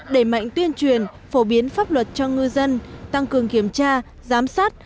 đẩy mạnh tuyên truyền phổ biến pháp luật cho ngư dân tăng cường kiểm tra giám sát